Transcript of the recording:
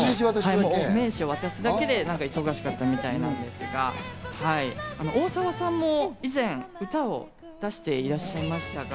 お名刺を渡すだけで忙しかったみたいなんですが、大沢さんも以前、歌を出していらっしゃいましたが。